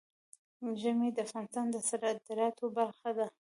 ژمی د افغانستان د صادراتو برخه ده.